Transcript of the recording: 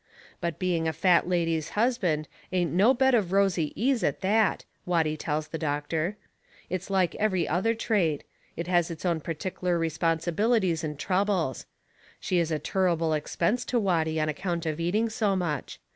But being a fat lady's husband ain't no bed of rosy ease at that, Watty tells the doctor. It's like every other trade it has its own pertic'ler responsibilities and troubles. She is a turrible expense to Watty on account of eating so much.